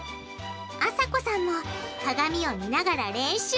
あさこさんも鏡を見ながら練習！